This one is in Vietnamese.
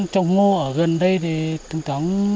trong mùa ở gần đây thì chúng ta